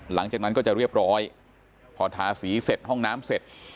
หลังจากนั้นก็จะเรียบร้อยพอทาสีเสร็จห้องน้ำเสร็จ